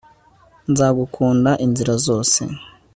nzagukunda inzira zose